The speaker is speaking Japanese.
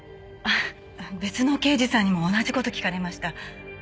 別の刑事さんにも同じ事聞かれました。